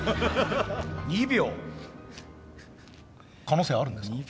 可能性はあるんですか？